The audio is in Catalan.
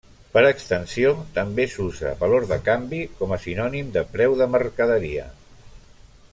Per extensió, també s'usa valor de canvi com a sinònim de preu de mercaderia.